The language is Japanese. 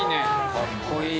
かっこいい！